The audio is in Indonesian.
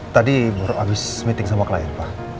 tadi baru habis meeting sama klien pak